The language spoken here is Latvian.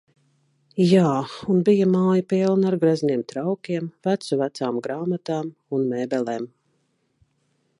Jā un bija māja pilna ar grezniem traukiem, vecu vecām grāmatām un mēbelēm.